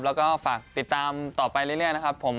แล้วก็ฝากติดตามต่อไปเรื่อยนะครับผม